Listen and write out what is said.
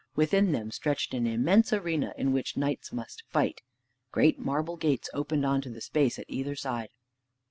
Within them stretched an immense arena in which the knights must fight. Great marble gates opened on to the space at either side.